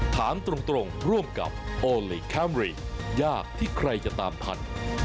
ถามตรงร่วมกับโอลี่คัมรี่ยากที่ใครจะตามทัน